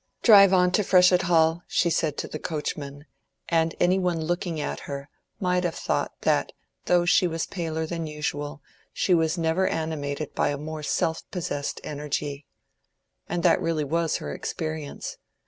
"Drive on to Freshitt Hall," she said to the coachman, and any one looking at her might have thought that though she was paler than usual she was never animated by a more self possessed energy. And that was really her experience.